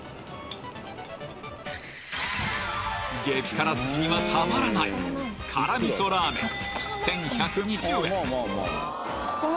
激辛好きにはたまらない辛みそラーメン